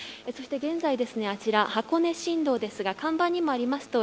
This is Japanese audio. そして現在あちら、箱根新道ですが看板にもあります